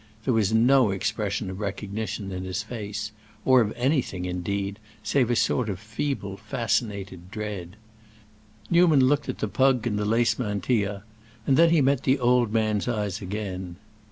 There was no expression of recognition in his face—or of anything indeed save a sort of feeble, fascinated dread; Newman looked at the pug and the lace mantilla, and then he met the old man's eyes again.